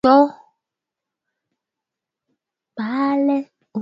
Hata pia upande wa mikopo kwa mataifa mbalimbali Duniani kote